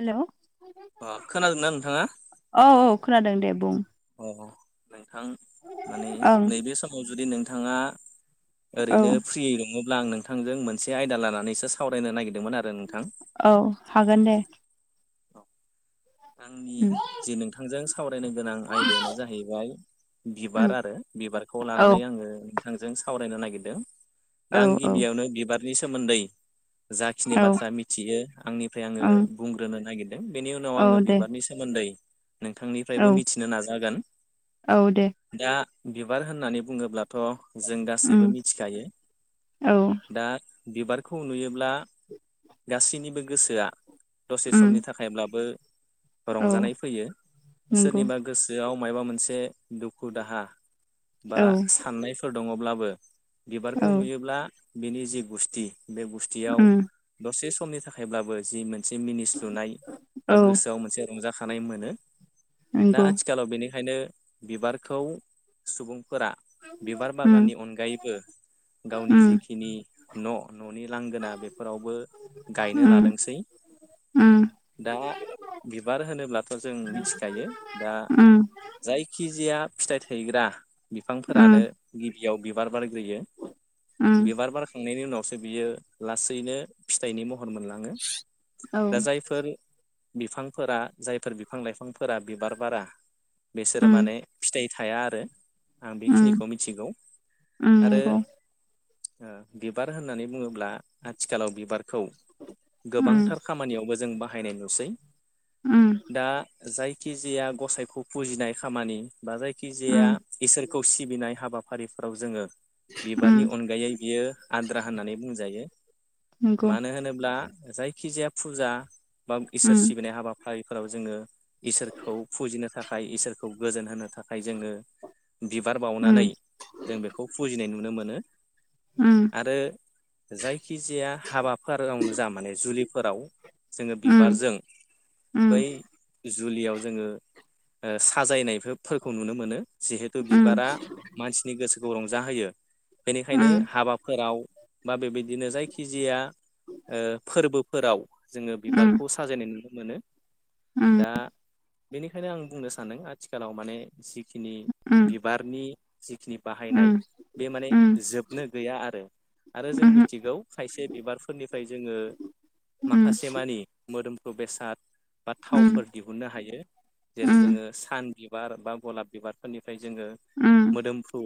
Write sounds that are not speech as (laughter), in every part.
हेल' औ अ खोनादोंना नोंथाङा औ खोनादों दे बुं। अ नोंथां माने ओं नैबे समाव जुदि नोंथाङा औ ओरैनो फ्रियै दङ। आं नोंथांजों मोनसे आयदा लानानैसो सावरायनो नागिरदों। औ हागोन दे। आंनि उम जे नोंथांजों सावरायनो गोनां आयदायानो जाहैबाय उम बिबार आरो बिबारखौ औ लानानै आङो बिथांजों सावरायनो नागिरदों दा औ आं औ गिबियावनो बिबारनि सोमोन्दै जाखिनि औ बाथ्रा मिथियो आंनिफ्राय आङो ओं बुंग्रोनो नागिरदों बेनि उनाव औ आङो दे बिबारनि सोमोन्दै औ नोंथांनिफ्रायबो मिथिनो नाजागोन। औ दे। दा बिबार होननानै बुङोब्लाथ' जों उम गासैबो मिथिखायो औ दा। बिबारखौ नुयोब्ला गासैनिबो गोसोआ दसे उम समनि थाखायब्लाबो औ रंजानाय फैयो नंगौ सोरनिबा गोसोआव माबा मोनसे दुखु दाहा बा औ साननायफोर दङब्लाबो औ बिबारखौ नुयोब्ला बिनि जि गुस्थि बे गुस्थियाव उम दसे समनि थाखायब्लाबो जि मोनसे मिनिस्लुनाय बा औ गोसोआव मोनसे रंजाखानाय मोनो दा नंगौ आथिखालाव बेनि बेखायनो बिबारखौ सुबुंफोरा बिबार उम बागाननि अनगायैबो गावनि उम जिखिनि न' न'नि लांगोना बेफोरावबो गायनो उम लादोंसै। उम दा बिबार होनोब्लाथ' जों मिथिखायो दा उम जायखि जीया फिथाइ थायग्रा उम बिफांफोरानो गिबियाव बिबार बारग्रोयो। उम बिबार बारखांनायनि उनावसो बियो लासैनो फिथाइनि महर मोनलायो औ जायफोर बिफां फोरा जायफोर बिफां लाइफांफोरा बिबार बारा बिसोरो उम माने फिथाइ थाया आरो आं उम बेखिनिखौ मिथिगौ उम आरो नंगौ बिबार होननानै बुङोब्ला आथिखालाव बिबारखौ खौ उम गोबांथार खामानियावबो जों बाहायनाय नुसै उम दा जायखिजाया गसाइखौ फुजिनाय खामानि बा जायखिजाया उम इसोरखौ सिबिनाय हाबाफारिफोराव जोङो बिबारनि उम अनगायै बियो आद्रा होननानै बुंजायो नंगौ मानो होनोब्ला जायखिजाया फुजा बा इसोर उम सिबिनाय हाबा फारिफोराव जोङो इसोरखौ फुजिनो थाखाय इसोरखौ गोजोन होनो थाखाय जोङो बिबार बावनानै उम जों बेखौ फुजिनाय नुनो मोनो। उम आरो जायखि जाया हाबाफोरावनो जा माने जुलिफोराव जोङो उम बिबारजों उम जुलियावओ जोङो साजायनायफोरखौ नुनो मोनो। जिहेथु बिबारा मानसिनि गोसोखौ रंजाहोयो बेनिखायनो उम हाबाफोराव बा बेबायदिनो जायखिजाया ओ फोरबोफोराव जोङो उम बिबारखौ साजायनाय नुनो मोनो। उम दा बेनिखायनो आं बुंनो सानदों आथिखालाव माने जिखिनि उम बिबारनि जिखिनि बाहायनाय बे माने जोबनो गैया आरो। आरो जों मिथिगौ खायसे बिबारफोरनिफ्राय जोङो माखासे मानि मोदोम बेसाद बा थावफोर दिहुननो हायो जेरै जोङो सान बिबार बा गलाब बिबारफोरनिफ्राय जोङो मोदोमफ्रु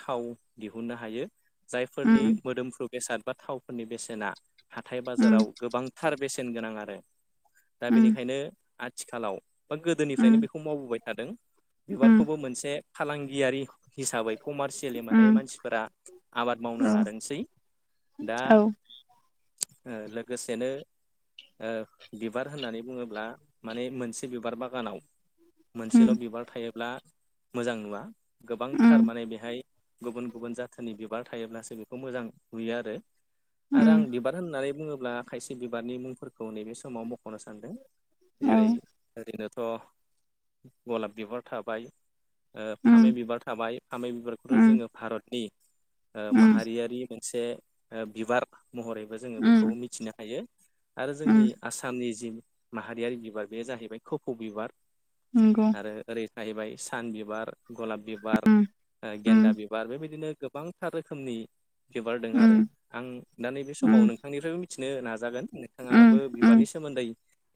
थाव दिहुननो हायो जायफोरनि मोदोमफ्रु बेसाद बा थावफोरनि बेसेना हाथाय बाजाराव गोबांथार बेसेन गोनां आरो। दाबेनि आथिखालाव बा गोदोनिफ्रायनो बेखौ मावबोबाय थादों बिबारखौबो मोनसे फालांगियारि हिसाबै कमारसियेलि माने मानसिफोरा आबाद मावनो लादोंसै। दा ओ लोगोसेनो ओ बिबार होननानै बुङोब्ला ब्ला माने मोनसे बिबार बागानाव मोनसेल' बिबार थायोब्ला मोजां नुवा गोबांथार माने बेहाय गुबुन गुबुन जाथोनि बिबार थायोब्लासो बेखौ मोजां नुयो आरो। आरो आं बिबार होननानै बुङोब्ला खायसे बिबारनि मुंफोरखौ नैबे समाव मख'नो सानदों। जेरै ओरैनोथ' गलाब बिबार थाबाय ओ फामै बिबार थाबाय फामै बिबारखौथ' जोङो भारतनि माहारियारि मोनसे बिबार महरैबो जोङो बेखौ मिथिनो हायो आरो जोंनि आसामनि जि माहारियारि बिबार बेयो जाहैबाय खफौ बिबार नंगौ आरो ओरै जाहैबाय सान बिबार। गलाब बिबार उम उम गेन्दा बिबार बेबायदिनो गोबांथार रोखोमनि बिबारदों उम आरो आं दा नैबे उम समाव नोंथांनिफ्रायबो मिथिनो नाजागोन उम नोंथाङाबो उम बिबारनि सोमोन्दै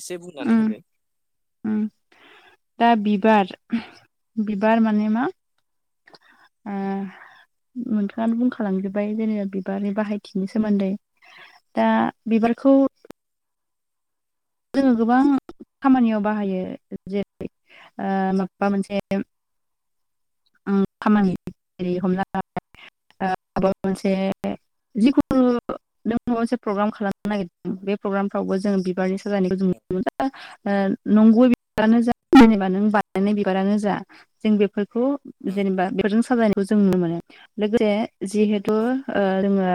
एसे बुंनानै होदो। ओ दा बिबार बिबार माने मा ओ नोंथाङानो बुंखालांजोब्बाय जेनेबा बिबारनि बाहायथिनि सोमोन्दै दा बिबारखौ (inaudible) जोङो गोबां खामानियाव बाहायो जेरै आ माबा मोनसे आं खामानि हमना लाबाय माबा मोनसे जिखुनु नों माबा मोनसे प्रग्राम खालामनो नागिरदों बे प्रग्रामफ्रावबो जोङो बिबारनि जानायखौ जों औ नुनो मोनो नंगौ बिबानो जा जेनेबा नों बानायनाय बिबारानो जा जों बेफोरखौ जेनेबा बिबारजों साजायनायखौ जों नुनो मोनो। लोगोसे जिहेथु जोङो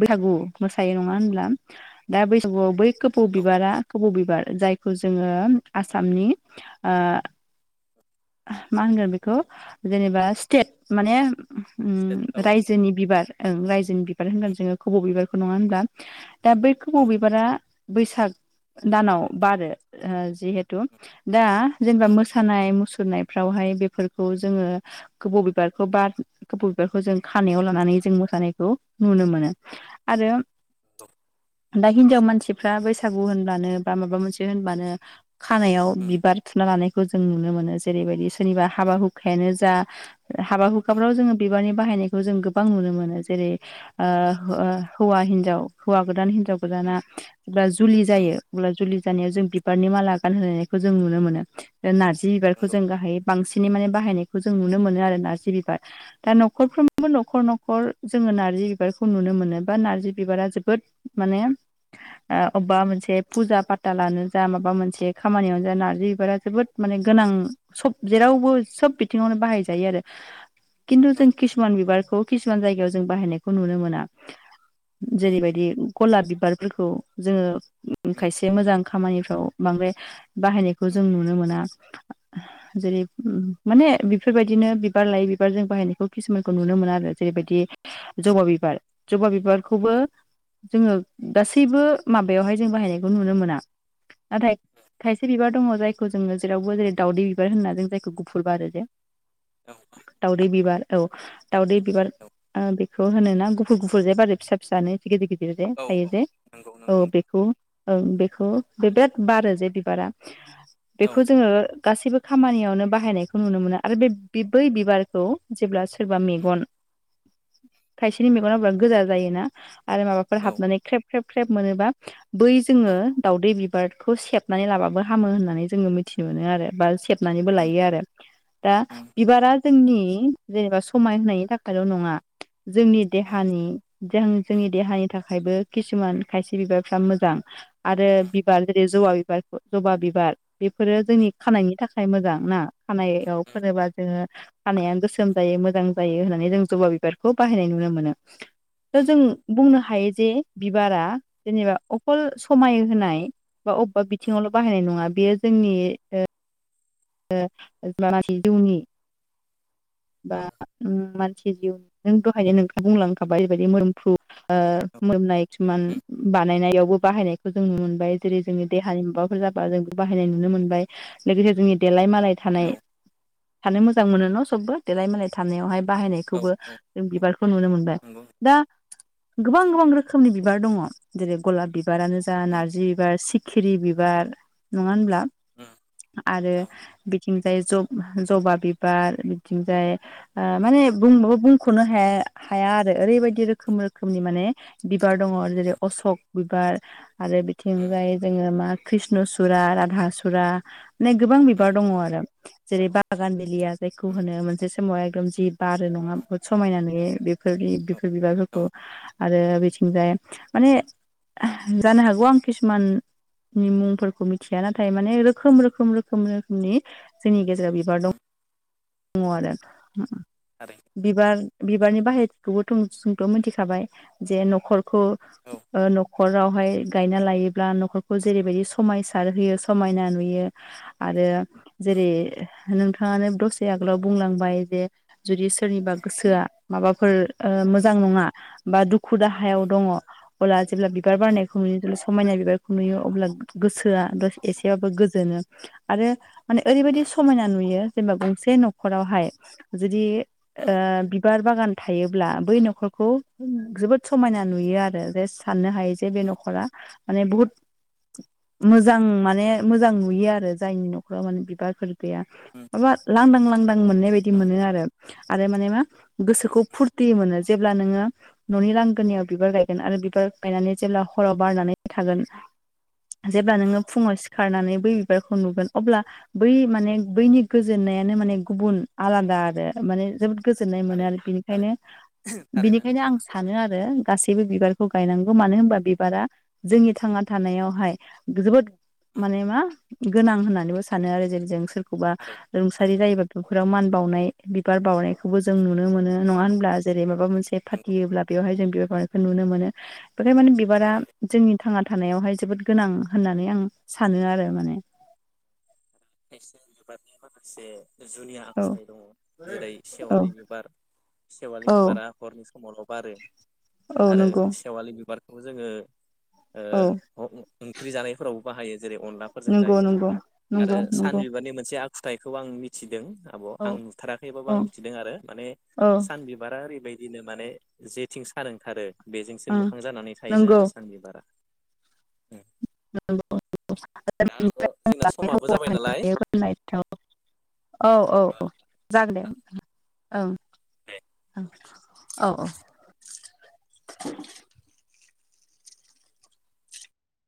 बैसागु मोसायो नङा होनब्ला। दा बैसागुयाव बै कोफौ औ बिबा खबौ बिबार जायखौ जोङो आसामनि आ मा होनगोन बेखौ जेनेबा स्टेट माने उम रायजोनि बिबार उम रायजोनि बिबार होनगोन जोङो खब' बिबारखौ नङा होनब्ला दा बै खबौ औ बिबारा बैसाग दानाव बारो जिहेथु दा जेनेबा मोसानाय मुसर फोननायफ्रावहाय बेफोरखौ जोङो गोबौ बिबारखौ बा गोबौ बिबारखौ जों खानायाव लानानै जों मोसानायखौ नुनो मोनो आरो। औ। दा हिनजाव मानसिफ्रा बैसागु होनब्लानो बा माबा मोनसे होनब्लानो खानायाव बिबार थुना लानायखौ जों नुनो मोनो। जेरैबायदि सोरनिबा हाबा हुखायानो जा हाबा हुखाफ्राव जोङो बिबारनि बाहायनायखौ जों गोबां नुनो मोनो। मोनो जेरै ह हि हौआ हिनजाव आ हौआ गोदान हिनजाव गोदाना जब्ला जुलि जायो अब्ला जुलि जानायाव जों बिबारनि माला गान होनाय जों नुनो मोनो नारजि बिबारखौ जों गाहायै बांसिनै माने बाहायनायखौ जों नुनो मोनो आरो नारजि बिबार दा न'खरफ्रोमबो न'खर न'खर जों जोङो नार्जि बिबारखौ नुनो मोनो बा नार्जि बिबारा जोबोद माने अबेबा मोनसे फुजा पाता लानो जा माबा मोनसे खामानियावनो जा नार्जि बिबारा जोबोद माने गोनां सब जेरावबो सब बिथिङावनो बाहाय जायो आरो खिन्थु जों किसुमान बिबार खौ खिसुमान जायगायाव जों बाहायनायखौ नुनो मोना। जेरैबायदि गलाब बिबारफोरखौ जोङो खायसे मोजां खामानिफ्राव बांद्राय बाहायनायखौ जों नुनो मोना। जेरै माने बेफोरबायदिनो बिबार लायै बिबारजों बाहायनायखौ खिसुमानखौ नुनो मोनो आरो। जेरैबायदि औ जबा बिबार जमा बिबारखौबो जोङो गासैबो माबायावहाय जों बाहायनायखौ नुनो मोना। नाथाय खायसे बिबार दङ जायखौ जोङो जेरावबो जेरै दाावदै बिबार होनना जों जायखौ गुफुर बारो जे औ दावरै बिबार औ दाउदै बिबार बेखौ होन ना गुफुर गुफुर जाय बार फिसा फिसानो गिदिर गिदिर जे औ थायो औ जे नंगौ नंगौ औ नोंथां बेखौ ओं बेखौ बिराद बारो जे बिबारा औ बेखौ जोङो गासैबो खामानियावनो बाहायनायखौ नुनो मोनो आरो बे बै बिबारखौ जेब्ला सोरबा मेगन (inaudible) खायसेनि मेगना बिराद गोजा जायोना आरो माबाफोर औ हाबनानै ख्रेब ख्रेब ख्रेब मोनोबा बै औ जोङो दाावदै बिबारखौ सेबनानै लाबाबो हामो होननानै जोङो मिथि मिन्थ मोनो आरो बा सेबनानैबो उम लायो आरो। दा उम बिबारा जोंनि जेनेबा समाय होनायनि थाखायल' नङा। जोंनि औ देहानि जों जोंनि देहानि थाखायबो खिसुमान खायसे बिबारफ्रा मोजां आरो बिबार जेरै ज जबा बिबार जबा बिबार बेफोरो जोंनि खानायनि थाखाय मोजां ना खानायाव फोरोबा जोङो खानायानो गोसोम जायो मोजां जायो होननानै जों जबा बिबारखौ बाहायनाय नुनो मोनो। था जों बुंनो हायो जे बिबारा जेनेबा अखल समाय होनाय बा अबेबा बिथिङावल' बाहायनाय नङा बेयो जोंनि ओ मसि जौनि बा मानसि जिउ नों दहायनो नों बुंलांखाबाय ओरैबायदि मोनफ्रु मोननाय खिसुमान उम बानायनायाव बाहायनायखौ जों नुनो मोनबाय जेरै जोंङनि देहानि माबाफोर जाबा जों बाहायनाय नुनो मोनबाय लोगोसे जोंनि देलाय मालाय थानाय औ थानो मोजां मोनो न' सबबो देलाय मालाय थानायावहाय औ बाहायनायखौबो औ जों औ बिबारखौ नुनो मोनबाय नंगौ दा गोबां गोबां रोखोमनि बिबार दङ जेरै गलाब बिबारानो जा उम नार्जि बिबार सिखिरि बिबार नङा होनब्ला उम आरो औ बिथिंजाय ज-जबा बिबार बिथिंजाय उम माने बुंबाबा बुंख नो हाया हाया आरो ओरैबायदि रोखोम रोखोमनि माने बिबार दङ जेरै अशक बिबार आरो उम बिथिंजाय जोङो कृष्णसुरा राधासुरा माने गोबां बि उम बार दङ आरो जेरै उम जायखौ होनो समाव एखदम जि बारो नङा उम बहुत समायना नुयो बेफोर बेफोर औ बिबारफोरखौ औ आरो बिथिंजाय माने जानो हागौ आं किसुमान नि मुंफोरखौ मिथिया नाथाय माने रोखोम रोखोम रोखोम जोंनि गेजेराव बिबार दं उम दङ आरो थारैनो बिबार बिबारनि बाहेरखौबोुंथ' मिथिखाबाय जे न'खर खौ औ ओ न खरावहाय गायना लायोब्ला न'खरखौ जेरैबायदि समायसार होयो समायना नुयो आरो जेरै नोंथाङानो दसे आगोलाव बुंलांबाय जे जुदि सोरनिबा गोसोआ माबाफोर ओ मोजां नङा बा दुखु दाहायाव दङ अब्ला जेब्ला बिबार बारनायखौ नुयो जब्ला समायना बिबारखौ नुयो अब्ला गोसोआ एसेबाबो गोजोनो आरो माने ओरैबायदि उम समायना नुयो जेनेबा गंसे न'खरावहाय जुदि ओ उम बिबार बागान थायोब्ला बै न'खरखौ जोबोद समायना नुयो आरो जे साननो हायो जे बे उम न' खरा माने बुहुत मोजां माने मोजां नुयो आरो जायनि न' माने बिबारफोर गैया उम माबा लांदां लांदां मोननाय बायदि औ मोनो आरो आरो माने मा नंगौ गोसोखौ नंगौ फुरथि मोनो जेब्ला नोङो न'नि लांगोनायाव बिबार गायगोन आरो बिबार गायनानै जेब्ला खराव बारनानै थागोन जेब्ला नोङो औ फुङाव सिखारनानै बै बिबारखौ नुगोन अब्ला बै माने बैनि गोजोननायानो माने गुबुन आलादा आरो माने जोबो गोजोन्नाय मोनो थारैनो आरो बेनिखायनो थारैनो थारैनो बिनिखायनो नोंथां आं सानो आरो गासबो बिबारखौ औ गायनांग मानो होनबा बे बिबारा उम जोंनि थांना थानायावहाय जोबोद माने मा गोनां होननानै सानो आरो जेरै जों सोरखौबा थारैनो रोंसारि थारैनो जायोबाथ' बेवाव मान बावनाय बिबार बावनायखौबो जों नुनो मोनो नङा औ होनब्ला जेरै माबा मोनसे नंगौ फाथियोब्ला बेयावहाय जों बिबार बारखौ नुनो मोनो बेखाय माने बिबारा थारैनो जोंनि थांना थानायावहाय जोबोद गोनां होननानै आं सानो आरो माने (unintelligible) जुनिया औ आखुथाय दङ जेरै औ सेवालि बिबार सेवालिनि औ बिबारा हरनि समावल' बारो औ आरो नंगौ सेवालि बिबारखौबो जोङो औ ओ ओंख्रि जानायफोरावबो बाहायो जेरै अनलाफोरजों नंगौ जायो नंगौ आरो नंगौ नंगौ सानबिबारनि मोनसे आखुथायाइखौ आं मिथिदों आब' औ आं नुथाराखैबाबो आं औ मिथिदों आरो माने औ सान बिबारा ओरैबायदि बिनो माने जेथिं सारोंथारो बेजोंसो ओं मोखां जानानै थायोनो नंगौ आरो सान बिबारा (unintelligible) (unintelligible) दा आब' जोंना समाबो जाबाय नालाय औ औ औ दे जागोन दे औं औ औ